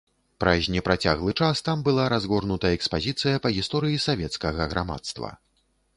Праз непрацяглы час там была разгорнута экспазіцыя па гісторыі савецкага грамадства.